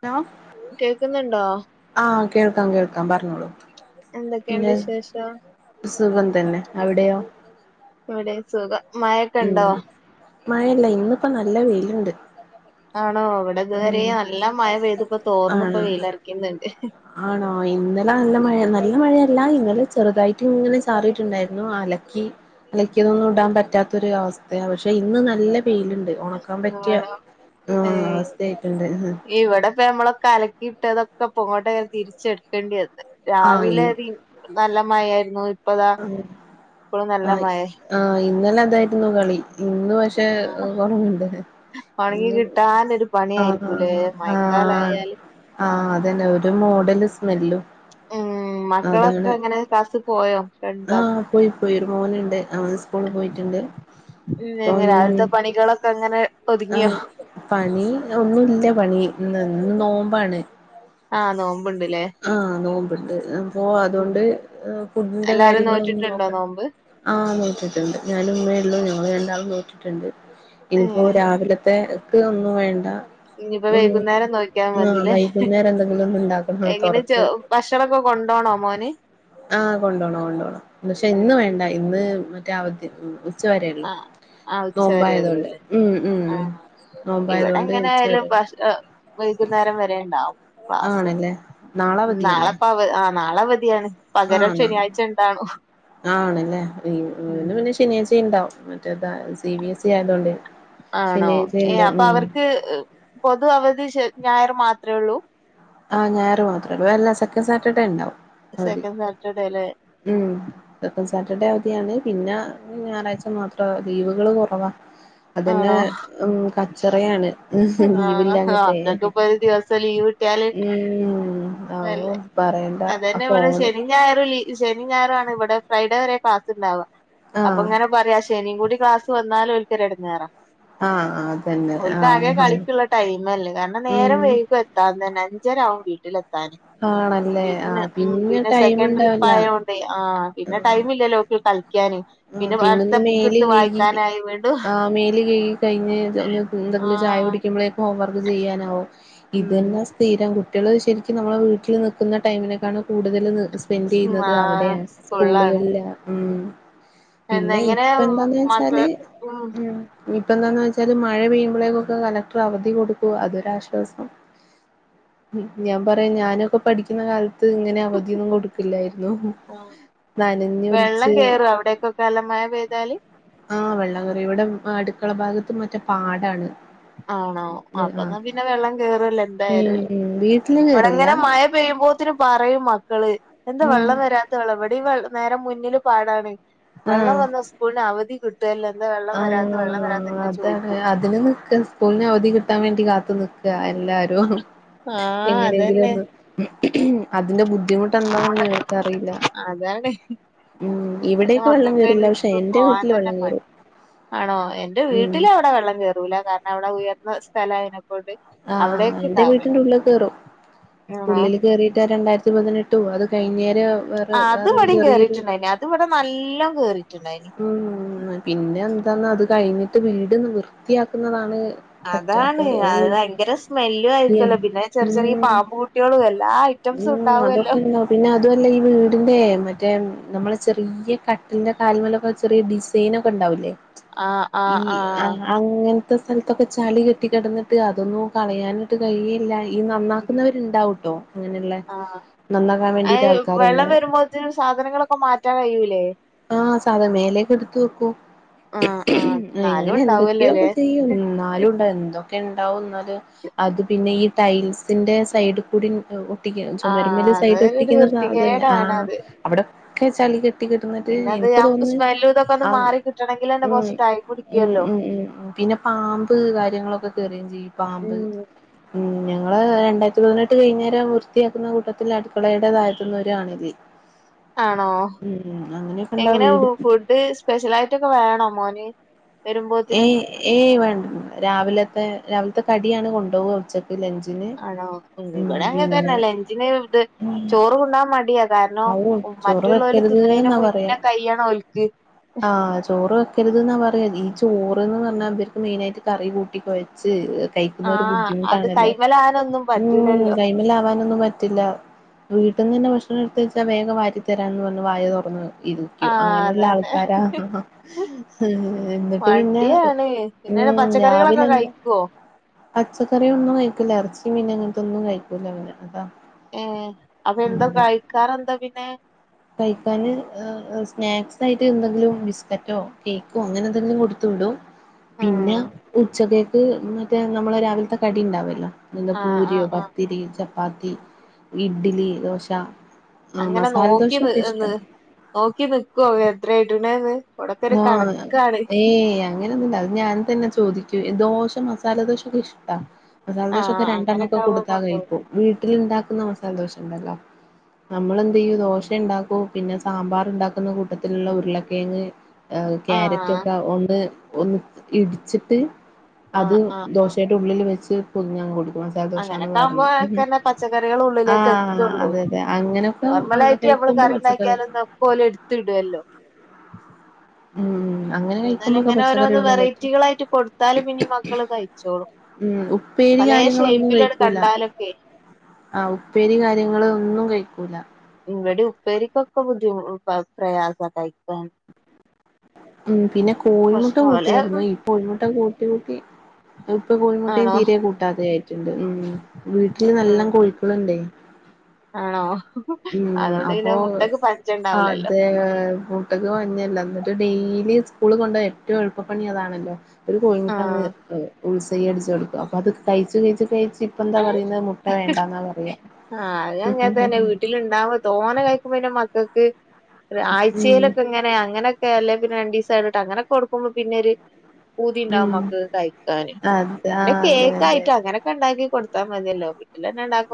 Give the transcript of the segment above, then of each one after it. Hello കേക്കുന്നുണ്ടോ? കേൾക്കാ കേൾക്കാ പറഞ്ഞോളൂ എന്തൊക്കെയുണ്ട് പിന്നെ വിശേഷം സുഖം തന്നെ അവിടെയോ ഇവിടെ സുഖം മഴൊക്കെണ്ടാ ഉം മഴല്ല ഇന്നിപ്പ നല്ല വെയിലുണ്ട് ആണോ ഇവിടെ ഉം ഇതുവരെ നല്ല മഴ പെയ്തി ഇപ്പോ തോർന്ന ഇപ്പോ ആണ് വെയിലറക്കുന്നുണ്ട്. ആണോ ഇന്നലെ നല്ല മഴ നല്ല മഴയ ല്ല ഇന്നലെ ചെറുതായിട്ട് ഇങ്ങനെ ചാറിയിട്ടുണ്ടായിരുന്നു അലക്കി അലക്കതൊന്നും ഇടാൻ പറ്റാത്തൊ ഒരു അവസ്ഥയ പക്ഷെ ഇന്ന് നല്ല ഫീൽ ഉണ്ട് ഉണക്കാൻ പറ്റിയ ആണോ ആ ഏ അവസ്ഥ ആയിട്ടിണ്ട്. കലക്കിയിട്ടതൊക്കെ പൊങ്ങോട്ടങ്ങനെ തിരിച്ചെടുക്കേണ്ടി വന്ന് ആഹ് ഇ രാവിലെ നല്ല മഴായിരുന്നു ഇപ്പതാ ആഹ് ഇപ്പോഴും നല്ല മഴ ഇന്നല അതായിരുന്നു കളി ഇന്ന് പക്ഷെ കുറവുണ്ട് ഉണങ്ങി [unintelligible] കിട്ടാനൊരു ആ പണിയായിരിക്കൂലേ ആ മഴക്കാലായാല് ആ അതന്നെ ഒരു മോഡല് സ്മെല്ലും ഉം മക്കളൊക്കെ ങ്ങനെ ക്ലാസ്സിൽ പോയോ? ആ ഉണ്ടോ പോയി പോയി ഒരു മോനുണ്ട് അവന് സ്കൂളി പോയിട്ടുണ്ട് [unintelligible] രാവിൽത്തെ പണികളൊക്കെ അങ്ങനെ ആ ഒതുങ്ങിയോ പണി ഒന്നുംല്ല പണി ഇന്ന് നോമ്പാണ് ആ നോ ആ നോമ്പണ്ട് അപ്പൊ ഉം അതുകൊണ്ട് ഫുഡിന്റെ എല്ലാരും കാര്യങ്ങളൊന്നും നോറ്റിട്ടുണ്ടോ നോക്കണ്ട. നോമ്പ് ആ നോട്ടിട്ടുണ്ട് ഞാന ഉമ്മേ ഉള്ളൂ വേണ്ടാ നോട്ടിട്ടുണ്ട് ഏ ഇനിപ്പോ രാവിലത്തെക്ക് ഒന്നും വേണ്ട ഇനിയിപ്പോ ഉ വൈകുന്നേരം നോക്കിയാ ആ മതില്ലേ വൈകുന്നേരം എന്തെങ്കിലും ഒന്നും ഉണ്ടാക്കണം എങ്ങനെ ച്ചോ തൊറക്ക് ഭക്ഷണൊക്കെ കൊണ്ടോണോ മോന്. ആ കൊണ്ടു പോണം കൊണ്ടുപോണം പക്ഷെ ഏ ഇന്ന് വേണ്ട ഇന്ന് മറ്റേ അവധി ഉച്ച വരേള്ളൂ ആ ആ ഉച്ച വരെയുള്ളൂ നോമ്പായതോണ്ട് അല്ലേ ഉം ഉം ആ ഇവിടെ നോമ്പായതുകൊണ്ട് എങ്ങനെ ആയാലും ഉച്ചവരെ [unintelligible] ഏഹ് വൈകുന്നേരം വരെണ്ടാവും. ക്ലാസ് ആണല്ലേ നാളെ നാളെപ്പ അവ ആഹ് നാളെ അവധിയാണ് പകരം ആണാ ശനിയാഴ്ച ഉണ്ടാണും ആണല്ലേ യ്യോ ഇവന് ഉം പിന്നെ ശനിയാഴ്ച്ചെം ഇണ്ടാവും മറ്റേ ഇതാ സി ബി എസ് ഇ ആയതോണ്ട്. ആണോ ഏ അപ്പൊ അവർക്ക് പൊതു അവധി ഞായർ മാത്രേ ഉള്ളൂ. ആ ഞായറ് മാത്രം വേറെ എല്ലാ സെക്കൻഡ് സാറ്റർഡേ ഇണ്ടാവും. സെക്കൻഡ് സാറ്റർഡേല്ലേ ഉം സാറ്റർഡേ അവധിയാണ് പിന്നെ ഞായറാഴ്ച്ച മാത്രം ലീവുകള് കുറവാ. അതന്നെ ആണോ ഉം [unintelligible] ആ ലീവില്ലാഞ്ഞിട്ടേ അതൊക്കെ ഇപ്പോഒരു ദിവസം ലീവ് കിട്ടിയാ [unintelligible] ഉം അല്ല ആവോ പറയണ്ട അതന്നെയാ [unintelligible] ഫോണ് ശെനിയും ഞായറും ലീവ് ശെനി ഞായറാണ് ഇവടെ ഫ്രൈഡേ വരെ ക്ലാസ് ഇണ്ടാവാ, അപ്പൊ ആഹ് ഇങ്ങനെ പറയാ ശെനിയും കൂടി ക്ലാസ് വന്നാലും ഓൽക്കൊരു എടങ്ങേറാ. ആ അതന്നെ ആ ഓൽക്ക് ആകെ കളിക്കുള്ള ടൈമല്ലേ കാരണം നേരം വൈകും എത്താതന്നെ അഞ്ചര ആവും വീട്ടിൽ എത്താ ന് ആണല്ലേ പിന്നെ ആഹ് ഉം പിന്നെ ടൈം സെക്കൻഡ് ട്രിപ്പ് ഉണ്ടാവില്ല ആയ്യോണ്ടേ ആഹ് പിന്നെ ടൈമില്ലല്ലോ ഓൽക്ക് കളിക്കാൻ? ആ പിന്നൊന്ന് മേല് കഴികി വായിക്കാനായി വീണ്ടും അഹ് മേല് കഴികി കഴിഞ്ഞ് ഒന്ന് ആ എന്തെങ്കിലും ചായ കുടിക്കുമ്പഴേ ഹോംവർക്ക് ചെയ്യാനാവൂ ഇതന്നെ ഉം സ്ഥീരം കു കുട്ടികള് ശരിക്കും നമ്മള് വീട്ടില് നിക്കുന്ന ടൈമിനേക്കാളും കൂടുതല് സ്പെൻഡ് ആ ചെയ്യുന്നത് അവിടെയാ സ്കൂളിലാണ് സ്കൂളുകളിലാ ഉം. പിന്നെ എന്നെങ്ങനെ ഇപ്പ എന്താന്ന് മക്ക വെച്ചാല് ഉം മ് ഇപ്പ എന്താന്ന് വെച്ചാല് മഴ പെയ്യുമ്പഴേക്കൊക്കെ കളക്ടറ് അവധി കൊടുക്കൂ അതൊരാശ്വാസം. മ് ഞാൻ പറയാ ഞാനൊക്കെ പഠിക്കുന്ന കാല ത്ത് ഇങ്ങനെ അവധിയൊന്നും കൊടുക്കില്ലായിരുന്നു, നനഞ്ഞ് വെള്ളം ഒലിച്ച് കേറുവോ അവിടേക്കൊക്കെ നല്ല മഴ പെയ്താല് ആ വെള്ളം കേറി ഇവിടെ അടു ക്കള ഭാഗത്ത് മറ്റേ പാടാണ്. ആണോ, അപ്പൊ ആഹ് എന്നാ പിന്നെ വെള്ളം കേറുവല്ലോ എന്തായാലും ഉം അല്ലെ? ഉം വീട്ടില് കേറില്ല ഇവിടെങ്ങനെ മയ പെയ്യുമ്പോ ത്തിന് പറയും മക്കള് എന്താ ഉം വെള്ളം വെരാത്ത്, വെള്ളം ഇവിടെം നേരെ മുന്നില് പാടാണ്. വെള്ളം ആഹ് വന്നാ സ്കൂളിന് അവധി കിട്ടുവല്ലോ എന്താ വെള്ളം വരാത്തെ വെള്ളം ആഹ് വരാത്തെന്ന് [unintelligible] അതാണ് ചോയിക്കും. അതിന് നിക്ക സ്കൂളിന് അവധി കിട്ടാൻ വേണ്ടി കാത്തു നിക്കാ എല്ലാരും ആഹ് എങ്ങനെങ്കിലും അതന്നെ ഒന്ന് അതിന്റെ ബുദ്ധിമുട്ട് എന്താനൊന്നും ഇവർക്ക് അറിയില്ല. അതാണ് ഇപ്പത്തെ മക്കൾക്ക് കേറില്ല പിന്നെ പക്ഷെ സ്കൂളി എന്റെ പോവാൻ വീട്ടില് തന്നെ വെള്ളം കേറും മടി ആണോ എന്റെ ഉം വീട്ടില് അവടെ വെള്ളം കേറൂല്ല, കാരണം അവടെ ഉയർന്ന സ്ഥലം ആയിനെ ആ എന്റെ വീട്ടിന്റെ ഉള്ളി കേറും ആണോ ഉള്ളില് കേറീട്ട് രണ്ടായിരത്തി പതിനെട്ടോ അത് കഴിഞ്ഞ് പിന്നെ വേറെ ആഹ് അത് വേറൊരു ഇവിടെയും ചെറിയൊരു കേറിയിട്ടുണ്ടായിനി അത് ഇവിടെ നല്ലോം കേറിയിട്ടുണ്ടായിനി ഉം പിന്നെ എന്താന്നാ അത് കഴിഞ്ഞിട്ട് വീടൊന്ന് വൃത്തിയാക്കുന്നതാണ് അതാണ്, പറ്റാത്തത് അത് ഭയങ്കര സ്മെല്ലും ഉം ആയിരിക്കെല്ലോ, പിന്നെ ചെറിയ ചെറിയ പാമ്പു കുട്ടികളും എല്ലാ ആയി ഉം അതൊക്കെ ഇണ്ടാവും പിന്നെ അതുവല്ല ഈ വീടിൻ്റെ മറ്റ മറ്റേ നമ്മടെ ചെറിയ കട്ടിലിന്റെ കാലുമേലൊക്കെ ചെറിയ ഡിസൈനൊക്കെ ഉണ്ടാവില്ലേ ആഹ് ഈ ആഹ് ആ ആഹ് അങ്ങനെ ത്തെ സ്ഥലത്തൊക്കെ ചളി കെട്ടി കെടന്നിട്ട് അതൊന്നും കളയാനായിട്ട് കഴിയേം ഇ ല്ല ഈ ഉം നന്നാക്കുന്നവരുണ്ടാവൂട്ടോ അങ്ങനെ ഇള്ള ആഹ് അത് വെള്ളം വരുമ്പോൾത്തേന് സാധനങ്ങളൊക്കെ മാറ്റാൻ കഴിയൂല്ലേ? ആ സാധനം മേലെയൊക്കെ എടുത്തു വെക്കും ആഹ് ആഹ് എന്നാലും ഇങ്ങനെ എന്തൊക്കെയോ ഒക്കെ ഉണ്ടാവല്ലോല്ലേ ചെയ്യും എന്നാലും ഉണ്ട് എന്തോ ണ്ടാവുന്നത് അത് പിന്നെ ഈ ടൈൽസ്ന്റെ സൈഡ്ക്കൂടിം ഒഓ ട്ടിക്ക്യാ ആഹ് ചൊമര്മല് അതൊരു സൈഡാെട്ടിക്ക്ന്ന സാധൻലേ ആഹ് വൃത്തികേടാണത് അവ്ടെ ക്കെച്ചാല് കെട്ടി കിട്ട്ണത് പിന്നെ ഇൻ അത് ആ ന്ന് സ്മെല്ലും ഇതൊക്കെ ഒന്ന് ആം മാറി കിട്ടണെങ്കിൽ തന്നെ ഉം കൊറച്ച് ടൈം ഉം പിടിക്കുവല്ലോ ഉം ഉം പിന്നെ പാമ്പ് വര് ങ്ങളൊക്കെ കേറേം ചെയ്യും പാമ്പ് ഉം ഉം ഞങ്ങള് രണ്ടായ്ര്ത്തി പതിനെട്ട് കഴിഞ്ഞേരം വൃത്തിയാക്കുന്ന കൂട്ടത്തിൽ അട്ക്കളേടെ താഴെത്ത്ന്ന് ഒര് അണെലി ഉം അങ്ങനെ എങ്ങനേ ഫുഡ് സ്പെഷ്യലായിട്ടൊക്കെ വേണോ മോന് വരുമ്പോത്തിന് ഏയ് ഏയ് വേൺ രാവ്‌ലെത്തെ രാവ്‌ല്ത്തെ കടിയാണ് കൊണ്ടാേവ്വ ഉച്ച ആണോ ഇവ്ടെ അങ്ങൻ തന്നെ പിന്നെ ലെഞ്ച്ന് ത് ചോറ് തിന്നാൻ മട്യാ കാരണം അവു ചോറ് മറ്റ്ള്ളോല് വെക്കരുത് തിന്ന്ണേന്റെ ന്നാ പറയാ മുന്നെ കയ്യണാേൽക്ക് ആഹ് ചോറ് വെക്കര്ത്‌ന്നാ പറയാ ഈ ചോ ചോറ്ന്ന് പറ്ഞ്ഞാ ഇബൽക്ക് മെയ്നായ്ട്ട് കറി കൂട്ടി കൊഴച്ച് കയിക്കുന്നൊരു ആഹ് അത് ബുദ്ധിമുട്ടാണല്ലോ കൈമലാനൊന്നും ഊം പറ്റൂലല്ലോ കയ്മെലാവാനൊന്നും പറ്റില്ലാ വീട്ട്ന്നെന്നെ ഭക്ഷണം എട്ത്ത് വെച്ചാ വേഗം വാരിത്തരാൻന്ന് പറ്ഞ്ഞ് വായ തൊർന്ന് ഇരിക്കും ആഹ് അങ്ങനെള്ള അതന്നെ ആൾക്കാരാ ഹ് എന്ന്ട്ട് പിന്നെ ങ്ങെനെ ഉം പച്ചക്കറികളൊക്കെ രാവിലെന്നെ കയ്ക്കാേ പച്ചക്കറി ഒന്നും കയ്ക്ക്ലാ എർച്ചി മീന് അങ്ങൻത്താെന്നും കയ്ക്കൂല അവന് അതാ ഏഹ് അപ്പൊ എന്താ കഴിക്കാനെന്താ പിന്നെ കയ്ക്കാന് ആഹ് ആഹ് സ്നാക്സായ്ട്ട് ന്തെങ്കിലും ബിസ്ക്കറ്റോ കേക്കും ങ്ങനെ എന്തെങ്കിലും കൊട്ത്തു വ്ടും പിന്നെ ഉം ഉച്ചക്കേക്ക് മറ്റേ ഞമ്മളെ രാവിൽത്തെ കടിണ്ടാവെല്ലോ എന്താ ആഹ് പൂര്യോ ആഹ് ആഹ് പത്തിരി ചപ്പാത്തി ഇഡ്ലി ദോശാ ആഹ് മസാൽദോശ എന്ന്‌ നോക്കി നിക്കാേ എത്രേ ഇട്ണേന്ന് ആഹ് ഏയ് അങ്ങനൊന്നുംണ്ടാ ഞാൻ തെന്നെ ചോദിക്കും ദോശ, മസാല ദോശ ഒക്കെ ഇഷ്ടാ മസാല ദോശ ഒക്കെ ആഹ് രണ്ടെണ്ണം ഒക്കെ അങ്ങനൊക്കെ ആവുമ്പോ കൊടുത്താ കൊണ്ടോവും കയിക്കും വീട്ട്ൽ ഇണ്ടാക്കുന്ന മസാലദോശ ഇണ്ടല്ലോ നമ്മളെന്തെയ്യും ദോശ ഇണ്ടാക്കും പിന്നെ സാമ്പാറ് ഇണ്ടാക്ക്ന്ന കൂട്ടത്തിൽ ഇള്ള ഉര്ളക്കേങ്ങ് ആഹ് ക്യാരറ്റൊക്കെ ഒണ്ട് ഒന്ന് ഇട്ച്ച്ട്ട് അത് ആഹ് ദോശെയിടെ ഉള്ളിൽ വെച്ച് പൊതിഞ്ഞ് അങ്ങ് കൊട് അങ്ങനെയൊക്കെയാവുമ്പൊ ഒക്കെയെന്നെ പച്ചക്കറികൾ ഉള്ളിലേക്ക് ആഹ് എത്തൊള്ളു അതെ അതെ അങ്ങനൊക്കെ അത് നോർമെലായിറ്റ് നമ്മെൾ കഴിക്കുമ്പോ പച്ചക്കറി കറിണ്ടാക്കിയാലൊന്ന് ഒക്കെ ഓല് ഇട്ത്ത്ടോല്ലോ ഉം അങ്ങനെ കഴിക്കുമ്പൊക്കെ ഇങ്ങനെ പച്ചക്കറി ഓരോന്ന് ഉള്ളിലെത്തും വെറൈറ്റികളായിട്ട് കൊടുത്താല് പിന്നെ മക്കള് കഴിച്ചോളും ഉം ഉപ്പേരി പലേ കാര്യങ്ങളൊന്നും ഷേപ്പിലട് കഴിക്കൂലാ. കണ്ടാലൊക്കെ ആഹ് ഉപ്പേരി കാര്യങ്ങെൾ ഒന്നും കഴിക്കൂലാ ഇവെടിം ഉപ്പേരിക്കൊക്കെ ബുദ്ധിമു ഉ പ പ്രയാസാ കഴിക്കാൻ ഉം പിന്നെ കോഴിമുട്ട പക്ഷെ ഓലെ കൂട്ടിവെര്ന്നു. ഇപ്പൊ കോഴിമുട്ട കൂട്ടി കൂട്ടി ഇപ്പം കോഴിമുട്ടെം ആണോ തീരേ കൂട്ടാതെ ആയിട്ട് ഇണ്ട്. ഉം വീട്ട്ൽ നല്ലം ഉം കോഴിക്കെൾ ഇണ്ടെയ് ആണോ ഉം അതുകൊണ്ട് അപ്പൊ പിന്നെ മുട്ടക്ക് ആഹ് പഞ്ചണ്ടാവൂലല്ലോ അതേ. മുട്ടെക്ക് പഞ്ഞം ഇല്ല ഇന്നെട്ട് ഡെയിലി ഈ സ്കൂളി കൊണ്ടെയാ ഏറ്റവും എളുപ്പപണി അതാണല്ലൊ ഒരു കോഴിമുട്ട അങ്ങ് ആഹ് [unintelligible] ബുൾസെയ് അടിച്ച് കൊട്ക്കാ അപ്പ അത് കഴിച്ച് കഴിച്ച് കഴിച്ച് ഇപ്പെന്താ പറയ്ന്നെ മുട്ട വേണ്ടാന്നാ പറയാ വീട്ട്ൽ ഇണ്ടാവ തോനെ കഴിക്കുമ്പോ പിന്നെ മക്കെക്ക് ഒര് ആഴ്ച്ചെയിലൊക്കെ ഇങ്ങെനെ അങ്ങനൊക്കെ അല്ലെ പിന്നെ രണ്ടീസം എടവിട്ട് അങ്ങനെ ഒക്കെ കൊട്ക്കുമ്പോ പിന്നെ ഒര് പൂതി ഇണ്ടാവും ഉം മക്കെക്ക് കഴിക്കാന്. അതെ ആ പിന്നെ അതെ അതെ കേക്കായിട്ട് അങ്ങനൊക്കെ ഇണ്ടാക്കി കൊട്ത്താ മതിയെല്ലൊ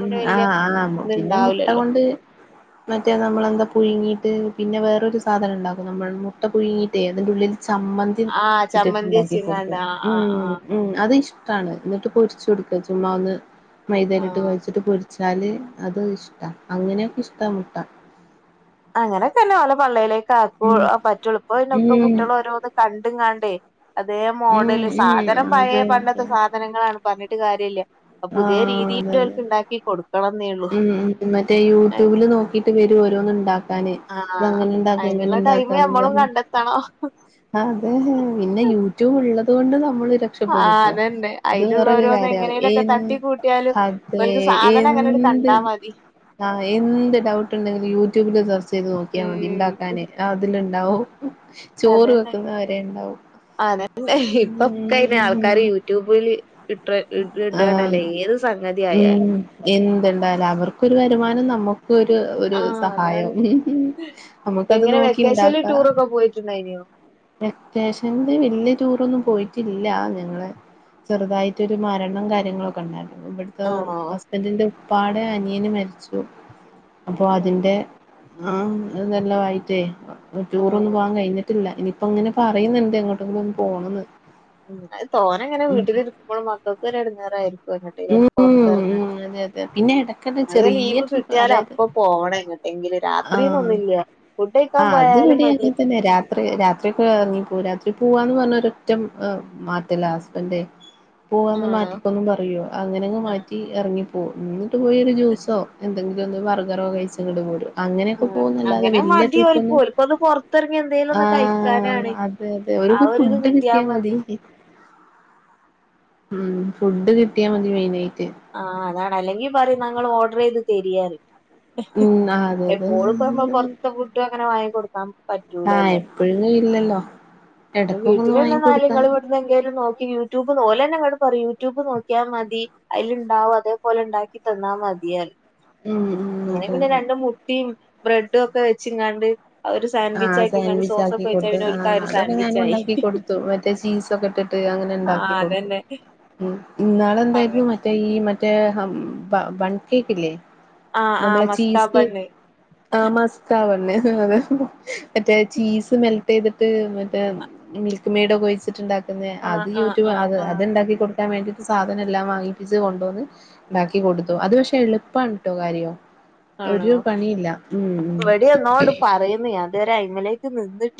ഉം ആഹ് ആഹ് പിന്നെ മുട്ട ഇത്ണ്ടാവൂലല്ലോ കൊണ്ട് മറ്റെ നമ്മളെന്താ പുഴ്ങ്ങി ട്ട് പിന്നെ വേറെ ഒരു സാധനം ഇണ്ടാക്കും നമ്മെൾ മുട്ട പുഴ്ങ്ങീട്ടെയ് അതിന്റെ ഉള്ളിൽ ചമ്മെന്തി ആഹ് ഇട്ട്ട്ട് ചമ്മന്തി ഇണ്ടാക്കി വെച്ചിങ്ങാണ്ട് കൊട്ക്കും ആഹ് ആഹ് ഉം ആഹ് ഉം അത് ഇഷ് ഇഷ്ടാണ് ഇന്ന്ട്ട് പൊരിച്ചൊടുക്ക ചുമ്മാ ഒന്ന് മൈതേല്ട്ട് ആഹ് ച്ചാല് അത് ഇഷ്ട്ട. അങ്ങനെയൊക്കെ ഇഷ്ട്ട മുട്ട അങ്ങനെക്കെന്നെ ഓലെ പള്ളീലേക്ക് ആക്കൂ ഉം പറ്റൊള്ളു. ഇപ്പൊക്കെ ഉം കുട്ടീളോരോന്ന് കണ്ട്ങ്ങാണ്ടെ അതേ ഉം മോഡല്. ഉം സാധനം അതെ പഴയെ അതെ പണ്ടത്തെ സാധനങ്ങളാണ് പറഞ്ഞിട്ട് കാര്യല്ല പ്പൊ പുതിയ ആഹ് അതെ രീതിയിൽ അതെ അവർക്ക് ഇണ്ടാക്കി കൊടുക്കണം ഉം മറ്റേ യൂട്യൂബില് നോക്കീട്ട് വരു വോരോ ണ്ടാക്കാന്. ആഹ് അതങ്ങനെണ്ടാക്ക അയിനുള്ള ടൈമ് ഇങ്ങനെണ്ടാക്കാന്നും നമ്മളും പറഞ്ഞ് കണ്ടെത്തണം ആഹ് അതേ. പിന്നെ യൂട്യൂബ് ഉള്ള ആഹ് അതന്നെ. അത് വേറൊരു കാര്യ എ അയില്ള്ളോരോന്നെങ്ങനേലൊക്കെ തട്ടി കുട്ടിയാലും അതെ ഓൽക് സാധന ങ്ങനണ്ട് എന്ത് കണ്ടാ മതി ആഹ് എന്ത് ഡൗട്ട് ഇണ്ടെങ്കിലും യൂട്യൂബില് സെർച്ചീത് നോക്കിയാ മതി. ഉം ഇണ്ടാക്കാന് ആ അതില് ചോറ് വെക്ക്ന്നവരേ ഇണ്ടാവും അതെ ഇപ്പൊക്കയിനാൾക്കാര് യൂട്യൂബില് ഇട്ട ഇടാണല്ലെ ഏത് സംഗതി ആയാൽ എന്ത്ണ്ടാ എല്ലാവർക്കൊരു വരുമാനം നമ്മക്കൊരു ഒരു ആഹ് സഹായം അതാണ് നമുക്കത് നോക്കി ച്ചലോ ട്ടൂറൊക്കെ പോയിട്ട്ണ്ടായ്ന് വെക്കേശൻ അ വല്യെ ടൂറൊന്നും പോയിറ്റില്ലാ. ഞങ്ങളെ ചെറ്തായിട്ടൊരു മരണം കാര്യങ്ങളൊക്കെ ഇണ്ടാര് ഇവിട്ത്തവ് ആണോ ഹസ്ബന്റിന്റെ ഉപ്പാടെ അനിയന് മര്ച്ചു. അപ്പൊ അതിന്റെ ആഹ് അത് നല്ല വായിട്ടേ ടൂറൊന്നും ആണോ പോവാൻ കഴിഞ്ഞിട്ടില്ല. ഇനിയിപ്പങ്ങനെ പറയ്ന്ന്ണ്ട് എങ്ങോട്ടൊങ്കിലൊന്ന് പോണന്ന്. ഉം അത് തോനങ്ങനെ ഉം വീട്ടിലിരിക്ക്മ്പയും മക്കൾക്കൊരെടങ്ങേറായിരിക്കു റഞിട്ടെ ഉം ഉം പുറത്തെറങ്ങാന് അതെ അതെ പിന്നെ ഇടക്കടെ അത് ചെറിയ ലീവ് ട്രിപ്പ് കിട്ടിയാല് അതായത് അപ്പൊ പോവണെ എങ്ങ്ട്ടേങ്കിലും ആഹ് രാത്രീന്നൊന്നില്ല ആഹ് അത് വ്ടീ അങ്ങൻതന്നെ രാത്രി രാത്രികേ ഇറങ്ങിപ്പൊ രാത്രി പോ പോവാന്ന് പറഞ്ഞ് ഏഹ് ഒരറ്റ മാറ്റലാ ഹസ്ബെന്റെ. പോവാന്ന് ആണോ മാറ്റിക്കോന്നും പറയൊ അങ്ങനെങ്ങ് മാറ്റി ഏറങ്ങിപ്പോവും. ഇന്ന്ട്ട് പോയി ഒരു ജൂസോ എ [unintelligible] വർഗറും കഴിച്ചങ്ട്ട് പോരും അങ്ങനെയൊക്കെ ആഹ് പോകുന്നല്ലാതെ അങ്ങനെ വലിയ മതി ഓൽക്ക് ട്രിപ്പൊന്നും ഓൽക്കൊന്ന് പൊറത്തെറങ്ങി എന്തേലും ആ ഒന്ന് കഴിക്കാനാണ് അതെ അതെ ഓര്ക്ക് ഫുഡ് കിട്ടിയാ മതി ഉം ഫുഡ് കിട്ടിയാ മതി മെയിനായി ആ അതാണ് അല്ലെങ്കി പറയും ന്ന ങ്ങള് ഓർഡർ ചെയ്ത് തരിയറി ഉം ആ അതെ അതെ എപ്പോഴും പോ പൊറത്തെ ഫുഡും അങ്ങനെ വാങ്ങി കൊടുക്കാ ആഹ് എപ്പോഴ്ന്ന് ഇല്ലല്ലോ വീട്ടിലിണ്ടല്ങ്ങള്ൾ ഇവിന്ന് എങ്കിലും നോക്കി യൂട്യൂബ് പോലെന്നെ പറി യൂട്യൂബ് നോക്കിയാ മതി അയ്ല്ണ്ടാവും അതേപോലെണ്ടാക്കി തന്നാ മതിയ ഉം ഉം അങ്ങനെ അതെ പിന്നെ അതെ രണ്ട് മുട്ടിം ബ്രെഡു ഒക്കെ വെച്ച്ങ്ങാണ്ട് ഒരു ആ സാൻഡ്വിച്ച് ആക്കിങ്ങാണ്ട് സാൻഡ്വിച്ച് ആക്കി സോസൊക്കെ ഒഴിച്ചാ കൊടുത് പിന്നെ ആ ഓൽക്ക് ഒരു അതൊക്കെ ഞാനും സാൻഡ്വിച്ചായി ഉണ്ടാക്കി കൊടുത്തു മറ്റേച്ച് ചീസൊക്കെ ഇട്ടിട്ട് അങ്ങനെണ്ടാക്കി ആഹ് കൊടുക്കും അതന്നെ അങ്ങനെ ഇന്നാളെന്തേര്ന്നു മറ്റേ ഈ മ റ്റേ ഹം ബ ബൺ കേക്കില്ലെ ആഹ് ആഹ് നമ്മളെ ചീസ് മസ്കാബണ്ണ് ആ മസ്തവാ [unintelligible] മറ്റേ ചീസ് മെൽ ചെയ്തിട്ട് മറ്റേ മിൽക്ക് മെയ്ഡ് ഒക്കെഴിച്ചിട്ട്ണ്ടാക്കുന്നെ അത് ആഹ് ആഹ് യൂട്യൂബ് ആഹ് അ ആഹ് അത്ണ്ടാക്കിടുക്ക വേണ്ടട്ട് സാധനം എല്ലാം വാങ്ങിപ്പിച്ചച്ച് കൊണ്ടുവന്ന് ഉണ്ടാക്കി കൊടുത്തു അത് പക്ഷെ എളുപ്പാണ് കേട്ടോ കാര്യോ ആണോ അ വട എന്നോട് പറയുന്ന അതുവരെ അങ്ങനെ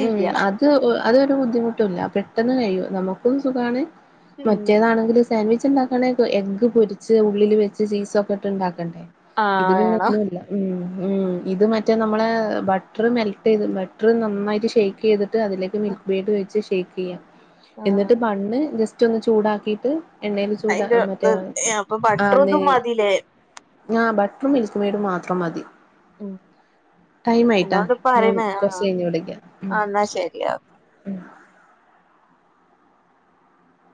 ഉം അത് അതൊരു ബുദ്ധിമുട്ടില്ല പെട്ടെന്ന് കഴിയോ നമുക്ക സുഖമാണ് ഉം മറ്റേതാണെങ്കിൽ സാൻഡ്വിച്ച് ഉണ്ടാക്കണെങ്ക എഗ് പൊരിച്ച് ഉള്ളിൽ വെച്ച് ചീസൊ ഒക്കെ ഇട്ട്ണ്ടാ ഇത് ആഹ് പിന്നെ വേണോ ഒന്നല്ല ഉ ഉം ഇത് മറ്റേ നമ്മളെ ബട്ടറ് മെൽട്ട് ചെയ്ത് ബട്ടർ നന്നായിട്ട് ഷെയ്ക്ക് ചെയ്ത് ട്ട് അതിലേക്ക് മിൽക്ക് ബേഡ് വെച്ച് ഷേക്ക് ചെയ്യാം ആഹ് എന്നിട്ട് പണ്ണ് ജസ്റ്റ് ഒന്ന് ചൂടാക്കിയിട്ട് എണ്ണൽ ചൂട അയിന്റെ മറ്റേ ഇത് അപ്പൊ ആ ബട്ടറും നെയ ഇതും മതിലേ ആ ബട്ട്റും മിൽക്ക് മെയഡ് മാത്രം മതി ടൈം ആയിട്ടാ ഞാൻ കുറച്ച് കഴിഞ്ഞ് വിളിക്ക ആ ന്നാ ശെരിയാ ഓ [inaudible]